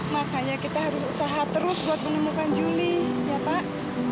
makanya kita harus usaha terus buat menemukan juli ya pak